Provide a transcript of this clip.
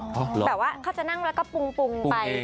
แต่ว่าเขาจะนั่งแล้วก็ปรุงไป